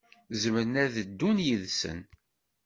Zemren ad ddun yid-sen.